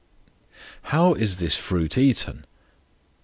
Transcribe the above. How is this fruit eaten?